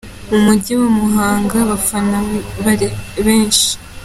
Mu Mujyi wa Muhanga, abafana bari benshi….